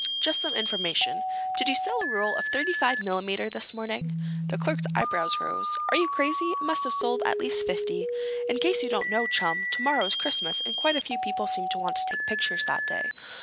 "Just some information. Did you sell a roll of thirty five millimeter this morning?" The clerk's eyebrows rose. "Are you crazy? I must have sold at least fifty. In case you don't know it, chum, tomorrow is Christmas and quite a few people seem to want to take pictures that day."